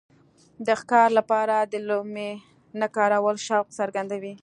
د ښکار لپاره د لومې نه کارول شوق څرګندوي.